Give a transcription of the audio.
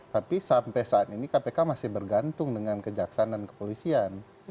tapi sampai saat ini kpk masih bergantung dengan kejaksaan dan kepolisian